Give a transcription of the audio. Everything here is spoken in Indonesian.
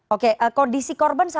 oke kondisi korban saat ini